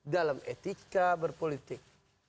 dalam etika berpolitik